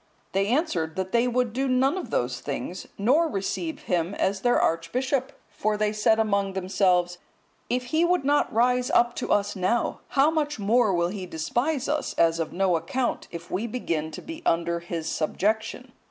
They answered that they would do none of those things, nor receive him as their archbishop; for they said among themselves, "if he would not rise up to us now, how much more will he despise us, as of no account, if we begin to be under his subjection?"